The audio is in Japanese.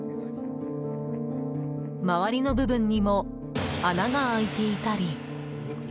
周りの部分にも穴が開いていたり。